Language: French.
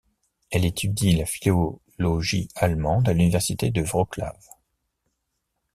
Elle étudie la philologie allemande à l'université de Wrocław.